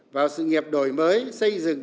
vào sự nghiệp đổi mới xây dựng